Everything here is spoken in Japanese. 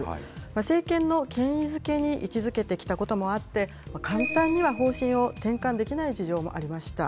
政権の権威づけに位置づけてきたこともあって、簡単には方針を転換できない事情もありました。